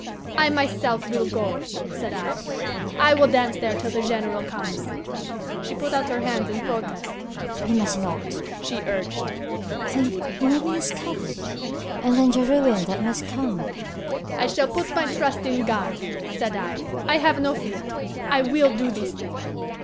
'I myself will go,' said I; 'I will dance there till the General comes.' She put out her hand in protest. 'You must not,' she urged. 'Think: you may be discovered, and then the ruin that must come!' "'I shall put my trust in God,' said I. 'I have no fear. I will do this thing.